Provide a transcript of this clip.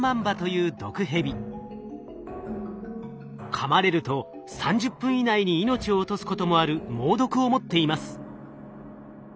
かまれると３０分以内に命を落とすこともある猛毒を持っています。